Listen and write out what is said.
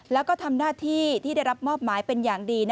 แล้วก็ทำหน้าที่ที่ได้รับมอบหมายเป็นอย่างดี